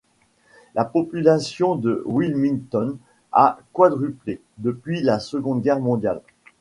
La population de Wilmington a quadruplé depuis la seconde guerre mondiale.